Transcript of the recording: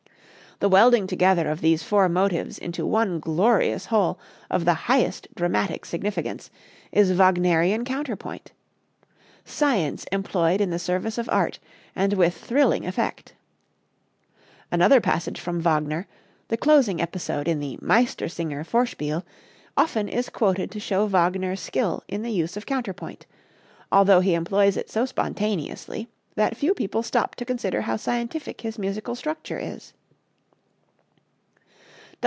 The welding together of these four motives into one glorious whole of the highest dramatic significance is Wagnerian counterpoint science employed in the service of art and with thrilling effect. Another passage from Wagner, the closing episode in the "Meistersinger" Vorspiel, often is quoted to show Wagner's skill in the use of counterpoint, although he employs it so spontaneously that few people stop to consider how scientific his musical structure is.